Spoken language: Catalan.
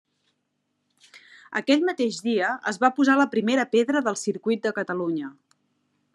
Aquell mateix dia, es va posar la primera pedra del Circuit de Catalunya.